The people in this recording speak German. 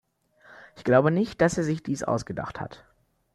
Ich glaube nicht, dass er sich dies ausgedacht hat.